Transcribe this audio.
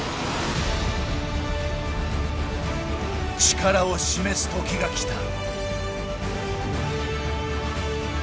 力を示す時が来た。